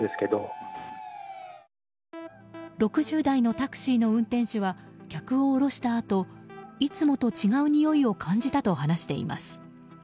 ６０代のタクシーの運転手は客を降ろしたあといつもと違うにおいを感じたと話しています。